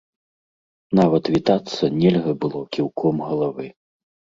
Нават вітацца нельга было кіўком галавы.